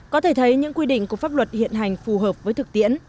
có thể thấy những quy định của pháp luật hiện hành phù hợp với thực tiễn